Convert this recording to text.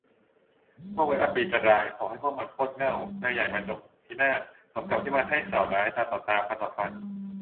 พวกเว็บอัปรีย์จันราย ขอให้พวกมัน โคตรเหง้า นายใหญ่มันจงพินาศสมกับที่มันให้ข่าวร้าย ตาต่อตา ฟันต่อฟัน